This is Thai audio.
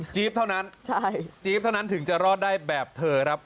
เท่านั้นจี๊บเท่านั้นถึงจะรอดได้แบบเธอครับ